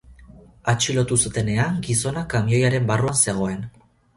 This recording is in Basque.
Atxilotu zutenean, gizona kamioiaren barruan zegoen.